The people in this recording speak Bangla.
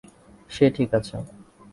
সে ঠিক আছে।